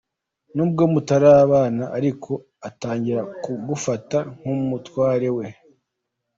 Nubwo mutarabana ariko atangira kukugufata nk’umutware we.